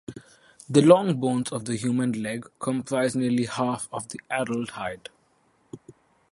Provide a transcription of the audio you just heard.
The long bones of the human leg comprise nearly half of adult height.